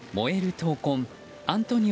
闘魂アントニオ